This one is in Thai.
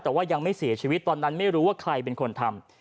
แต่ว่ายังไม่เสียชีวิตตอนนั้นไม่รู้ว่าใครเป็นคนทำ